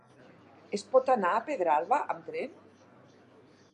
Es pot anar a Pedralba amb tren?